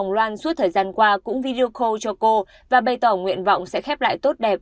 loan suốt thời gian qua cũng videoco cho cô và bày tỏ nguyện vọng sẽ khép lại tốt đẹp